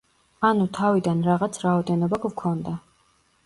ანუ თავიდან რაღაც რაოდენობა გვქონდა.